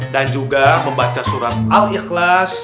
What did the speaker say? dan juga membaca surat al ikhlas